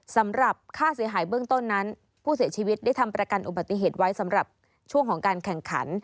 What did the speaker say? สำหรับค่าเสียหายเบื้องต้นนั้นผู้เสียชีวิตได้ทำประกันอุบัติเหตุไว้สำหรับช่วงของการแข่งขัน